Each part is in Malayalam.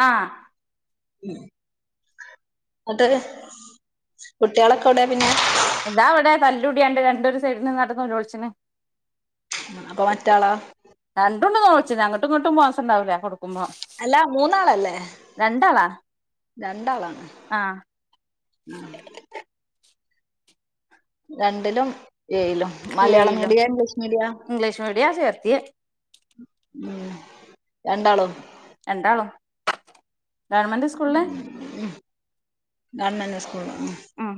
ആ അത് കുട്ടികളൊക്കെ എവിടെ പിന്നെ എന്താ വിടെ തല്ലുടിയാണ്ട് രണ്ട് ഒരു സൈഡ്ന്ന്ങ്ങാണ്ട് നൊളോ ൾച്ചിണ് അപ്പൊ മറ്റാളാ ച് രി അങ്ങട്ടും ഇങ്ങട്ടും മോസണ്ടാവ് ല കൊ അല്ലാ മൂന്നാളല്ലേ? രണ്ടാളാ രണ്ടാളാണ്. ആഹ് രണ്ടിലും ഏയിലും. മലയാളം ഏഴിലും media? English media? English media ചേർത്തിയെ ഉം രണ്ടാളും രണ്ടാളും ഗവൺമെന്റ് സ്കൂളില് [inaudible] ഗവൺമെന്റ് സ് കൂളാണ്. ഉം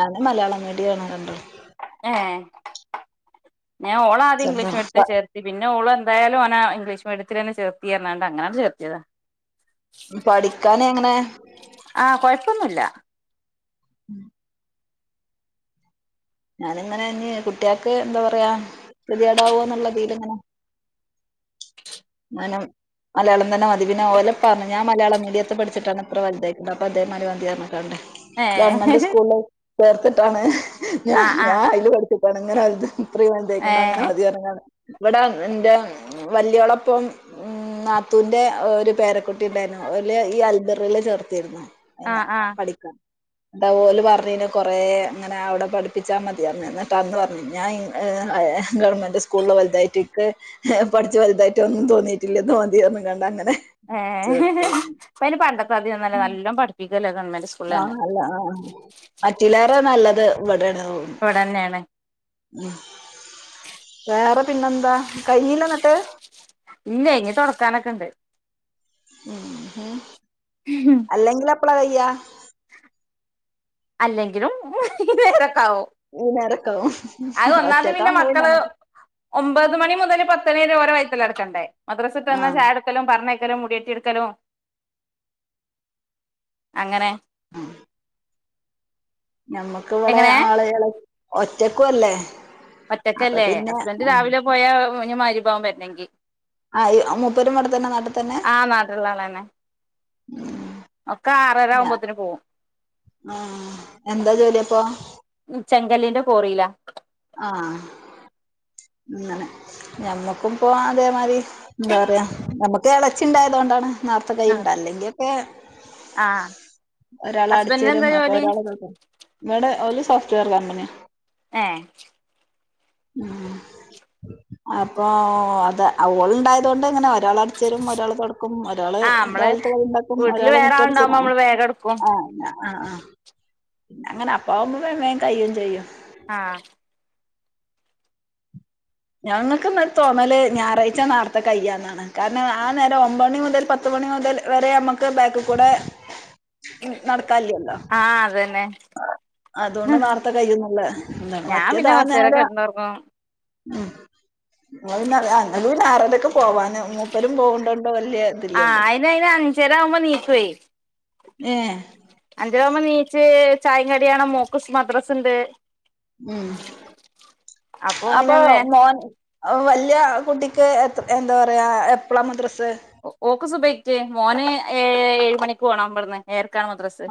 ഞാന് മലയാളം മീഡിയാണ് രണ്ടും. ഏ ഞാൻ ഓളെ ആദ്യം ചെറുതാ ഇംഗീഷ്മിഡിയത്തി പ- ചേർത്തി. പിന്നെ ഓള് എന്താലും ഓനെ ഇംഗീഷ് മിഡിയത്തിലെന്നെ ചേർത്തിയാരുന്നു [unintelligible] അങ്ങനെനാണ്ട് ചേർത്തിയതാ. പഠിക്കാന് എങ്ങനെ? കൊയപ്പംന്നുല്ല. ഉം ഞാനിങ്ങനെ തന്നെയാ. കുട്ടികക്ക് എന്താ പറയാ? ഗതീയാടാവോന്നുള്ള [unintelligible] അങ്ങനെ ഞാനും മലയാളം തന്നെ മതി പിന്നെ ഓലേ ഇപ്പ പറഞ്ഞു ഞാൻ മലയാളം മീഡിയത്തിൽ പഠിച്ചിട്ടാണ് ഇത്ര വലുതായിക്ക്ണത് അപ്പൊ അതേമാതിരി മതി പറഞ്ഞ്ക്കാണ്ട് ഏഹ് ഗവമെൻ്റ് സ്കൂളില് ചേർത്തിട്ടാണ്. ഞാ ആഹ് ഞാൻ ആഹ് അയില് പഠിച്ചിട്ടാണ് ഇങ്ങനെ ഇത്രയും വ ലുതാക്ക്ണത് അങ്ങനെ ഏഹ് മതി പറഞ്ഞാണ്. ഇവിടെ എന്റെ വല്ല്യോളപ്പം ഉം നാത്തൂന്റെ ഒരു പേരക്കുട്ടി ഉണ്ടാരുന്നു. ഒല് ഈ അൽബറീല് ചേർത്തിരുന്നു. അയ്നെ ആഹ് ആഹ് പഠിക്കാൻ ഇടെ ഓല് പറഞ്ഞീനി കൊറേ അങ്ങനെ അവിടെ പഠി പഠിപ്പിച്ചാൽ മതിയെന്ന് എന്നിട്ടന്ന് പറഞ്ഞീനി ഞാൻ ഗവൺമെന്റ് സ്കൂളില് വലുതായിട്ടൊക്കെ പഠിച്ച് വലുതായിട്ട് ഒന്നും തോന്നിയിട്ടില്ലെന്ന് മതിയോന്നങ്ങാണ്ട് അങ്ങ ഏ ഇപ്പ അയിനു പണ്ടത്തെമാതിരിയൊന്നുമല്ല നല്ലോം പഠിപ്പി ആ നല്ല ആ മറ്റിലേറെ നല്ല ത് ഇവിടെയാണ്. ഇവിടെന്നാണ്. ഉം വേറെ പിന്നെന്താ കഴിഞ്ഞില്ലേ ന്നിട്ട്? ഇല്ല ഇനി തൊടക്കാനൊക്കെ ഒണ്ട്. ഉം അല്ലെങ്കിലെപ് പ്ളാ കയ്യാ? [inaudible] ഇല്ലെങ്കിലും ഔ ഈ നേരക്കാവും അത് ഒന്നാമത് പിന്നെ മക്കള് ഒമ്പത് മണി മുതല് പത്തണി വരെ ഓരേ വയ്ത്തലാവും ക്കണ്ടേ മദ്രസ്സവിട്ടന്നാ ആഹ് ചായകൊടുക്കലും പറഞ്ഞേക്ക മുടിയട്ടി എടുക്കലും അങ്ങനെ നമ്മക്ക ഇവിടെ എങ്ങനെ ആളുകള ഒറ്റക്കു അല്ലേ? അപ്പൊ ഒറ്റക്കല്ലേ പിന്നെ ഹസ്ബന്റ് രാവിലെ പോയാ മ വിഭവം വരുന്നെങ്കി ആ മുപ്പരും ഇവ്ടെ തന്നെ നാട്ടിൽ തന്നെ? ആഹ് നാട്ടിലുള്ള ആളന്നെ ഉം ഒക്കെ ആറര ഞാ ആവുമ്പോത്തിന് പോവും ആ എന്താ ജോലിയ അപ്പൊ? ചെങ്കല്ലിന്റെ കോറിയിലാ. ആഹ് അങ്ങനെ ഞമ്മക്കും പോ അതേമാതി എന്താറയാ നമ്മക്ക് ഇത് ഇളച്ചി ഉണ്ടായതുകൊണ്ടാണ് നേർത്ത കൈയുണ്ട അല്ലെങ്കിപ്പെ ആഹ് ഒരാൾ അടച്ച് ഹസ്ബൻഡിന് തരും എന്താ അപ്പൊ ജോലി ഒരാൾ [unintelligible] ഇവിടെ [unintelligible] [unintelligible] കമ്പനി ഏഹ് ഉം അപ്പൊ അത് ഓളുണ്ടായതുകൊണ്ട് ഇങ്ങനെ ഒരാൾ അടിച്ചരും ഒരാൾ തൊടക്കും ഒരാള് ആഹ് നമ്മള് രാലത്തെ കടിഇണ്ടാക്കും വീട്ടില് ഒരാള് വേറെ ആളുണ്ടാവുമ്പോ മിറ്റടിച്തരും നമ്മള് വേഗം എടുക്കും ആ ആ അങ്ങനെ അപ്പാവുമ്പോ വേം വേം കയ്യും ചെയ്യും ആഹ് ഞങ്ങൾക്ക് തോന്നല് ഞായറാഴ്ച നേർത്തെ കയ്യന്നാണ് കാരണം ആ നേരം ഒമ്പ മണി മുതൽ പത്തുമണി മുതൽ വരെ നമ്മുക്ക് ബാക്ക കൂടെ ഉ നടക്ക ഇല്ലല്ലോ ആഹ് അതന്നെ അതുകൊണ്ട് നേർത്തെ കഴ്യുന്നുള്ള എന്താണ് ഞാൻ പിന്നെ കൊറച്ചേരം മറ്റേതാനേര കെടന്നൊറങ്ങും ഉം [unintelligible] അങ്ങ നാറലൊക്കെ പോവാൻ ആ അയിന് അയിന് അഞ്ചേരവുമ്പോ നീക്കുമെയ് ഏഹ് അഞ്ചരാകുമ്പോ നീ ച്ച് ചായേം കടിയാണ് മോക്കസ് മദ്രസ ഉണ്ട് ഉം അപ്പൊ മോൻ വലിയ കുട്ടി ക്ക് എന്താ പറയാ എപ്പളാ മദ്ര ഒ ഓക്ക് സുഭയ്ക്ക് മോന് ഏ ഏഴ് മണിക്കുപോണം ഇവിടുന്ന് ഏർ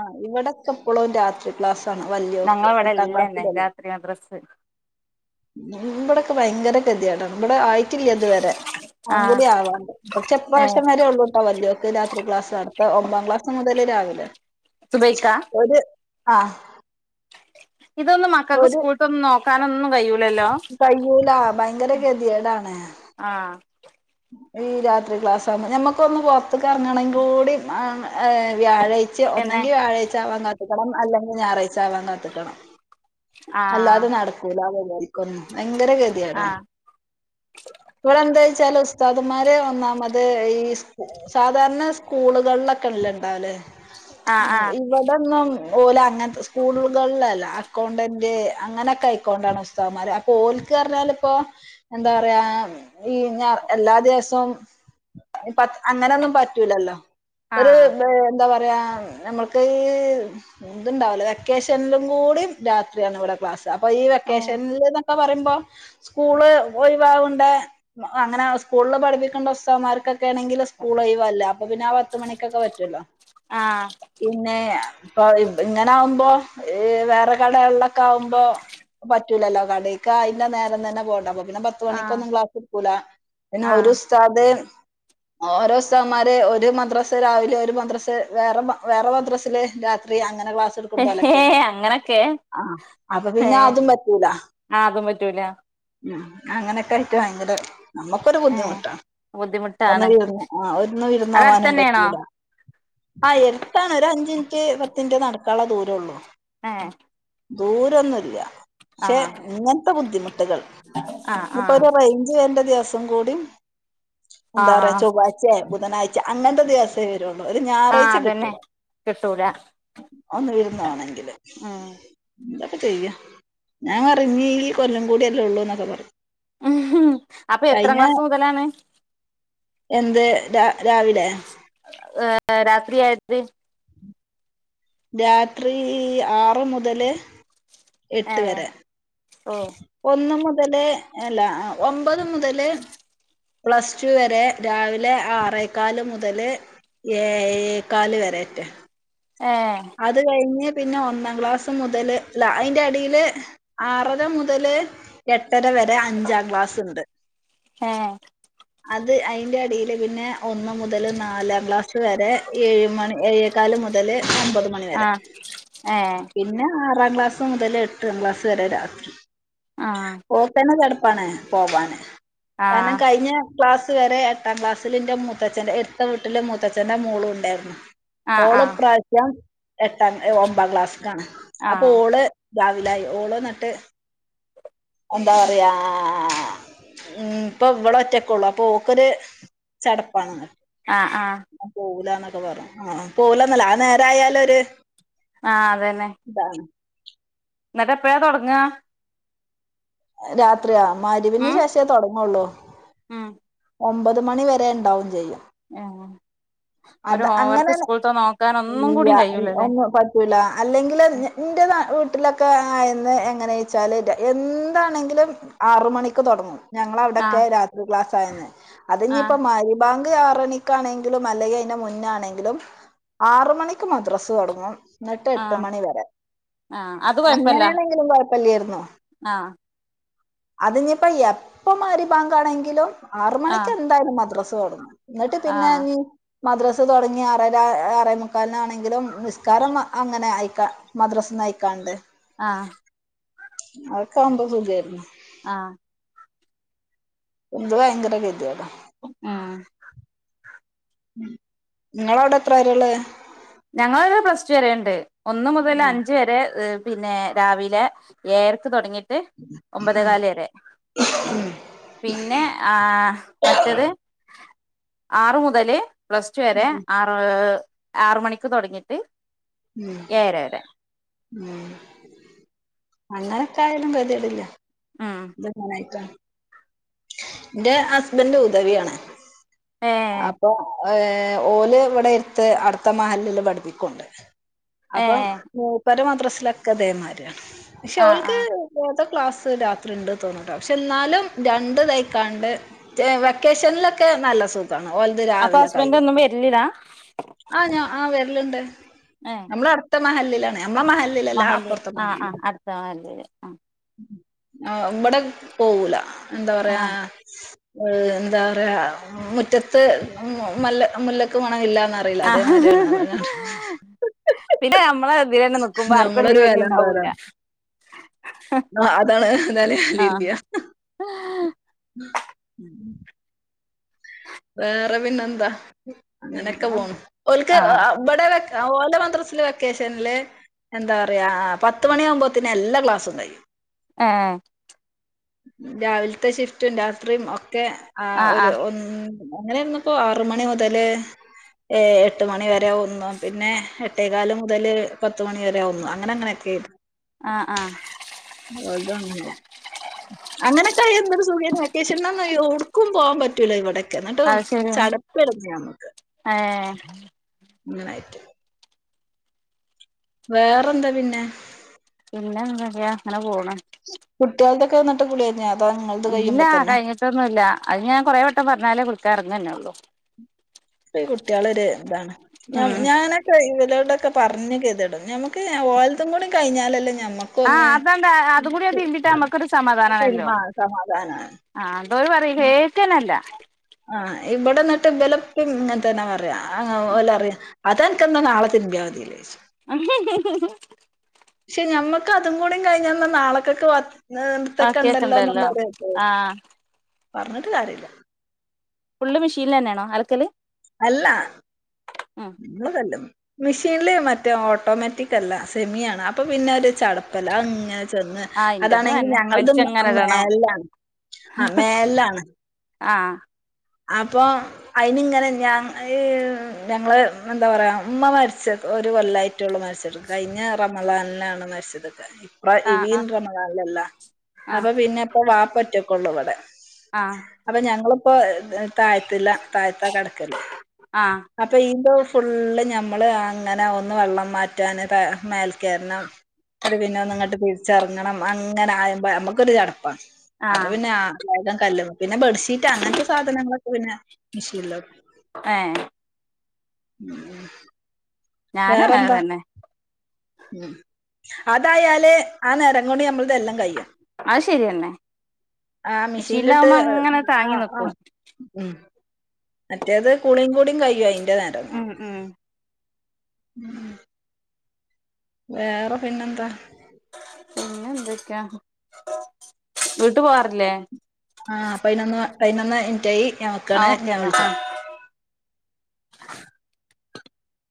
ആഹ് ഇവിടെക്കെപ്പോളും രാത്രി ക്ലാസ് ആണ് വല്യൊക്കെ ഞങ്ങളവിടെ എട്ടാം ഇല്ലന്നെ ക്ലാസ്സിലല്ലേ രാത്രി മദ്രസ് ഇവിടൊക്കെ ഭയങ്കര ഗതിയടാണ് ഇവിടെ ആയി റ്റില്ല ഇത് വരെ അഉം ആഹ് കൂടി ആവാണ്ട് ഏഹ് പക്ഷെപ്പാവശ്യം വരെേ ഉള്ളൂ കേട്ടാ വലിയക്ക രാത്രി ക്ലാസ് അടത്ത ഒമ്പാം ക്ലാസ് മുതൽ [unintelligible] സുബൈക്ക ആഹ ഇതൊന്ന് മക്കൾക്ക് സ്കൂളത്തൊന്ന് നോ [unintelligible] കയ്യൂല ഭയങ്കര ഗതിയേടാണ് ആഹ് ഈ രാത്രി ക്ലാസ് ആകുമ്പോ ഞമ്മക്ക ഒന്ന് പൊറത്ത്ക്ക് എറങ്ങണെങ്കി കൂടി വ്യാഴ്ച പിന്നെ ഒന്നെങ്കി വ്യാഴാഴ്ച ആവാ ണം അല്ലെങ്കിൽ ഞായറാഴ്ച ആവാൻ കാത്തിക്കണം. അല്ല ആഹ് അത് നടക്കൂലത [inaudible] ഭയങ്കര ഗതിയാടാ ആഹ് ഇവിടെ എന്താച്ചാല് ഉസ്താദുമാര് ന്നാമത് ഈ സാധാരണ സ്കൂളുകളിലൊക്കെ ഉല്ലേ ഉണ്ടാവലേ ആഹ് ആഹ് ഇവിടൊന്നും ഓല അങ്ങനത്തെ സ്കൂളുകളിലല്ല കൊണ്ടൻ കെ അങ്ങനെയൊക്കെ ആയിക്കൊണ്ടാണ് ഉസ്തവന്മാര് അപ്പൊ ഓലക്ക് പറഞ്ഞാല ഇപ്പൊ എന്താ പറയാ ഈ ഞാർ എല്ലാ ദിവസവും അങ്ങനെയൊന്നും പറ്റൂലല്ലോ ഒരു ആഹ് എന്താ പറ നമ്മക്ക് ഈ ഇതുണ്ടാവില്ല വെക്കേഷനിലും കൂടി രാ അയാനിവിടെക്ലാസ് അപ്പൊ ഈ ഓഹ് വെക്കേഷനി ഒക്കെ പറയുമ്പോ സ്കൂള് ഒഴവാവണ്ട അങ്ങനെ സ്കൂളിൽ പഠിപ്പിക്കേണ്ട ഉസ്തമാർക്ക് ആണെങ്കിൽ സ്കൂൾയവല്ല അപ്പൊ പിന്നെ ആ പത്ത മണിക്കൊക്കെ പറ്റല്ലോ ആഹ് പിന്നെ ഇപ്പ ഇങ്ങനെ ആകുമ്പോ വേറെ കട കവുബോൾ പറ്റിലല്ലോ കടക്കാ അന്നെ നേരം തന്നെ പോണ്ട പിന്നെ പത്തു മണിക്ക് ആഹ് ഒന്നും ക്ലാസ് എടുക്കൂല പിന്നെ ആഹ് ഉസ്താദ് ഓരോ ഉസ്താമ്മാര് ഒരു മദ്രസ രാവിലെ ഒരു മദ്രസ വേറെ വേറെ മദ്രസില് രാത്രി അങ്ങനെ ഏ ഏ അങ്ങനൊക്കെ ആ അപ്പൊ പിന്നെ ഏഹ് അതും പറ്റൂല ആഹ് അതും പറ്റൂല ഉം അങ്ങനൊക്കായിട്ട് ഭയങ്കര നമുക്കൊരു ഏഹ് ബുദ്ധിമുട്ടാണ് ബുദ്ധിമുട്ടാണ് ഒന്ന് വിരുന്ന് ആ ഒന്ന് വിരുന്ന് അത് പോവാനും അടുത്തന്നെയാണോ പറ്റൂല്ല ആ എരുത്താണ് ഒരു അഞ്ചിൻറ്റ് പത്തിൻറ്റ് നടക്ക ക്കാൻള്ള ദൂരൊള്ളൂ ആഹ ദൂരൊന്നുമല്ല പക്ഷെ ഇങ്ങനത്തെ ബുദ്ധിമുട്ടുകൾ ആ ഇനിപ്പോൊ ഒരു ആ പഞ്ച് പേന്റെ ദിവസം [unintelligible] ആ എന്താ പറയാ ചൊവ്വാഴ്ച ബുധനാഴ്ച അങ്ങനത്തെ ദിവസേ വരുള്ളൂ ഒരു ആ ഞായറാഴ്ച അതന്നെ കിട്ടുല്ല കിട്ടൂല ഒന്ന് വരുന്നാണെങ്കില് ഉം എന്തായിപ്പോം ചെയ്യ ഞാൻ പറഞ്ഞ്‌ ഈ കൊല്ലം കൂടിയാലേ ഉള്ളൂ എന്നൊക്കെ പറുഞ്ഞു അപ്പൊ എത്രാം കഴിഞ്ഞ ക്ലാസ് മുതലാണ് എന്ത് ര രാവിലെ രാത്രി ആയിതി രാത്രി ആറ് മുതല് ഏ എട്ട് വരെ ഓ ഒന്ന്മു മുതല് അല്ല ഒമ്പത് മുതല് പ്ലസ് ടു വരെ രാവിലെ ആറേക്കാല് മുതല് ഏഴേകാല് വരെറ്റെ ഏ അത് കഴിഞ്ഞ് പിന്നെ ഒന്നാം ക്ലാസ് മുതല് അ അതിന്റെ അടിയില് ആറര മുതൽ എട്ട് ത്തര വരെ അഞ്ചാം ക്ലാസ്ന്ണ്ട് ഏ അത് അയിന്റെ അടിയില് പിന്നെ ഒന്ന് മുതൽ നാലാം ക്ലാസ് വരെ ഏഴ് മണി ഏ ക്കാല് മുതല് ആ ഏ പിന്നെ ആറാം ക്ലാസ് മുതൽ എട്ടാം ക്ലാസ് വരെ രാത്രി ആ [inaudible] പണ പോവാണ് ആ [unintelligible] ക്ലാസ് വരെ എട്ടാം ക്ലാസ്സിൽ എന്റെ മൂത്തച്ഛ്ന്റെ എട്ട് എട്ടില് മൂത്തച്ഛ്ന്റെ മോളും ഉണ്ടായിരുന്നു ആ ആ [unintelligible] [inaudible] [unintelligible] ആ അപ്പൊ ഓള് രാവിലായി ഓളോ നട്ട് എന്താ പറയാ മ് ഇപ്പൊ ഇവള് ഒറ്റക്കള്ളു അപ്പൊ ഓൾക്കൊരു ചടപ്പാണ് ആ ആ [unintelligible] ആ അതന്നെ ഇതാണ് എന്നിട്ട് എപ്പാഴ തുടങ്ങുവാ ഉം [unintelligible] ഉം [unintelligible] ഒമ്പത് മണിവരെണ്ടാവും ചെയ്യാൻ. ആഹ് അത് അങ്ങനെ ഒന്നും ഇ കൂടി കഴിയൂലല്ലേ ഒന്നും പറ്റൂല അല്ലെങ്കിൽ എന്റെ നാ വീട്ട് വീട്ടിലൊക്കെ ആയന്ന് എങ്ങനെച്ചാല് എന്താണെങ്കിലും ആറ് മണിക്ക് തൊടങ്ങും. ആ ഞങ്ങളവടെക്കെ രാത്രി ക്ലാസ് ക്കായന്ന്. ആ അതിഞ്ഞിപ്പ മരിബാ ആറണിക്കാണെങ്കിലും അല്ലങ്ക് ന്റെ മുന്നാണെങ്കിലും ആറ് മണിക്ക് മദ്രസ് തൊടങ്ങും. ന്ന്ട്ട് ആ എട്ട് മണിവരെ ആ അത് പ്പല്ല്യേര്ന്നു ആഹ് അതിഞ്ഞിപ്പോ എപ്പ മരിബാങ്കാണെങ്കിലും ആറ് ആ മണിക്ക് എന്തായാലും മദ്രസ് തൊടങ്ങും. ന്ന്ട്ട് ആ പിന്നെ ഞ്ഞി മദ്രസ് തൊടങ്ങി ആറെര ആറേമുക്കാലിനാണെങ്കിലും നിസ്കാരം അങ്ങനെ അയ്ക്കാ മദ്രസ്ന്ന് അയ്ക്കാണ്ട്. ആഹ് അതക്കാവുമ്പോ സുഖേര്ന്നു. ആഹ് ത് ഭയങ്കര കെത്യേടാ മ് ങ്ങളവടെ എത്ര വെരേള്ളത്? ഞങ്ങളവടെ പ്ലസ് റ്റു വെരേണ്ട്. ഒന്ന് മുതൽ ഉം അഞ്ച് വരെ പിന്നെ രാവിലെ ഏയെരക്ക് തൊടങ്ങി ട്ട് ഒമ്പതേകാല് വെരേ. പിന്നെ ആഹ് മറ്റത് ആറ് മുതല് പ്ലസ് റ്റു വരെ ആറ് ആറ് മണി ക്ക് തൊടങ്ങിട്ട് ഏയെര വെരെ. മ് അങ്ങനക്കായാലും ഗത്യേടില്ല. ഉം ത് ങ്ങനായിറ്റ ന്റെ ഹസ്ബന്റ് ഉദവ്യാണ് ഏ ഏ ഓല് ഇവടെ എര്ത്ത് അട്ത്ത മഹല്ലില് പഠിപ്പിക്കുണ്ട്. ഏ അപ്പം മൂപ്പരെ മദ് പ്രസ്സിലൊക്കതേമാരിയാണ്. ക്ഷേ ആ ആ ഓൽക്ക്‌ [unintelligible] ക്ലാസ് രാത് ത്രിണ്ട് തോന്ന്ട്ടൊ ക്ഷേ ഇന്നാലും രണ്ട് തയ്ക്കാണ്ട് ഏ വെക്കേഷനിലൊക്കെ നല്ല സുഖം. താണ് ഓൽത് അപ്പൊ രാവിലെ ഹസ്ബൻഡ് കഴിയും ഒന്നും വരിലില്ല ആ ഞാൻ ആ വെ ഇല്ലണ്ട്. ഏ നമ്മളടുത്ത മഹല്ലിലാണ് മഹല്ല് ആ ആ അട്ത്ത മഹല്ല് ആ ആ ഇവടെ പോവൂലാ എന്താ ആ പറയ്യാ ഉം എന്താ പറയാ മുറ്റത്ത് മു മല്ല മുല്ലക്ക് മണയില്ലാന്ന് ആ പിന്നെ ഞമ്മളെ ത്തിലന്നെ നിക്കുമ്പോ ആർക്കും ഒര് നമ്മളൊരു നെലിം വെലിം വില ഉണ്ടാവില്ല ഇണ്ടാവൂല്ല ആ, അതാണ് എന്തായാലും ആ ഉം വേറെ പിന്നെന്താ? പിന്നെ അങ്ങനൊക്കെ പോണ്‌ ഓൽക്ക് ഓ ആ ബടെ വെ ആ ഓലെ മദ്രസില് വെക്കേഷന്ല്ല് എന്താറിയാ പത്തുമണിയാവുമ്പോത്തിന് എല്ലാ ക്ലാസ്സും കഴിയ്യും ആ രാവിലത്തെ ഷിഫ്റ്റും രാത്രിയും ഒ ക്കെ ആ ഒരു ആഹ് ഒ അങ്ങനെണ്ന്ന്പ്പൊ ആറു മണി മുതല് ഏ എട്ടു മണി വ രെ ഒന്നും പിന്നെ എട്ടെ ക്കാല് മുതല് പത്ത് മണിവരെ ഒന്നും അങ്ങനങ്ങനെ എത്തേ ആഹ് ആഹ് മോള്തും അങ്ങന്നെ അങ്ങനെ ആ എന്തൊരു സുഖേന് വെക്കേഷനെന്നാന്നറിയോ? ക്കും പോവാൻ പറ്റൂല ഇവടെ എന്നിട്ട് അത് ശരിയാണ് ചടപ്പെടുക്കാ ഞമ്മക്ക്. ഏ അങ്ങനായിറ്റ് വേറെന്താ പിന്നെ? പിന്നെന്തൊക്കെയാ അങ്ങനെ പോണ്. കുട്ടികൾക്കൊക്കെ വന്നിട്ട് കുളികഞ്ഞാരുന്നോ. ഇല്ല കഴിഞ്ഞിട്ടൊന്നുമില്ല അത് ഞാൻ കൊറേ വട്ടം പറഞ്ഞാലേ കുളിക് ക്ക എറങ്ങന്നെ ഒള്ളൂ. ഈ കുട്ടികളര് ഇതാണ് ഞ ഉം ഞാനൊക്കെ വിലടെൊക്കെ പറഞ്ഞു കേ്ടും ഞമുക്ക് ഓലത്തും കൂടി കഴിഞ്ഞാലല്ല ആഹ അതെന്താ അത കൂടി അത് തിന്തിട്ട നമ്മുക്കൊരു സമാധാനണല്ലോ ആ സമാധാനാണ് ആ അതോരു പറ കേക്കനല്ല ആഹ് ഇവിടെന്നിട്ട് ബിലപ്പും ഇങ്ങനെന്നെ പറ അ വല്ല അറിയാം അത എനക്ക്െന്താണ് ആളത്തിന്റെ വാധിയിലച്ചു ആ് [unintelligible] പക്ഷെ ഞമ്മക്ക് അതും കൂടും കഴിഞ്ഞന്ന നാളക്കൊക്കെ വ ഇ ഇത്തൊക്കെ ഉണ്ടല്ലോ എന്നുള്ളസ ആഹ് പറഞ്ഞിട്ട് കാര്യില്ല ഫുള് മെഷീനി തന്നെയാണോ അലക്കല് അല്ല ഉം ഉ വല്ലും മെഷീനിലേ മറ്റേ ഓട്ടോമാറ്റിക് അല്ല സെമിയാണ് അപ്പൊ പിന്നെ ചടപ്പല അങ്ങനെ ചെന്ന് ആഹ് ഇന്റതും അതാണെങ്കിൽ തന്നെ ഞങ്ങളത് വലിച്ചങ്ങനെ ഇടണം മേലാണ് ആ മേലാണ് ആഹ അപ്പൊ അയിനിങ്ങനെ ഞ ഞങ്ങള് എന്താ പറയാ ഉമ്മ മരിച്ച ഒരു കൊല്ലായിറ്റള്ള മരിച്ചെടുക്ക കഴിഞ്ഞ റമലാനിലാണ് മരിച്ചെടുക്കുക ആഹ് വീന്ത്രമളല്ല ആഹ് അപ്പൊ പിന്നെ ഇപ്പൊ വാപ്പറ്റും കൊണ്ടള്ളവിടെ ആഹ് അപ്പൊ ഞങ്ങള പ്പോ താഴ്ത്തില്ല താഴ്ത്താ കിടക്കല് ആഹ് അപ്പൊ ഈന്റെ ഫുള്ള് നഞമ്മള് അങ്ങനെ ഒന്ന് വെള്ളം മാറ്റാൻ മേൽക്കയറണം അ പിന്നെ ഒന്ന് ഇങ്ങോട്ട് തിരിച്ചറങ്ങണം അങ്ങനെ ആയുമ്പ നമുക്കൊരു ചടപ്പാണ് ആഹ് അപ്പ ആഹ് പിന്ന കല്ലുന്നു പിന്നെ ബെ്ീറ്റ് സാധനങ്ങൾ പിന്നെ മഷീല്ലോ ഏ ഉം [unintelligible] ഞാനും അങ്ങനെ തന്നെ ഉ അതായല്േ ആ നിരം കൊുടിി നമ്മള ഇതെല്ലാം കഴിയും അത് ശെരിയന്നെ ആ മിഷീനിലിട്ട് മഷീലാവുമ്പോ അങ്ങനെ ആ താങ്ങി ആ നക്കും ഉം മറ്റേത് കുളിയും കൂടിയും കഴു ഉം ഉം ഉം വേറെ പിന്നെന്താ പിന്നെ എന്തൊക്കെയാ വീട്ട് പോവാറില്ലേ ആഹ് പയിനൊന്ന് പയിനൊന്ന് ഇറ്റായി ആ ഞാൻവെക്കാണ് ഓക്കെ ഞാൻ എന്നാ ആ വിളിച്ച